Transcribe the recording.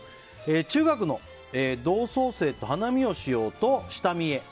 中学の同窓生と花見をしようと下見へ。